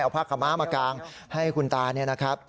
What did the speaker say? เอาผ้าขมะมากางให้คุณตา